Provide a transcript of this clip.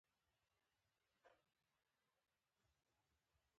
په انټرنیټ کې باید ژبه ساده وي.